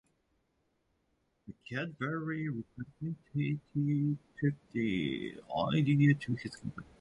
A Cadbury representative took the idea to his company.